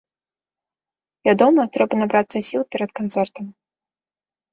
Вядома, трэба набрацца сіл перад канцэртам.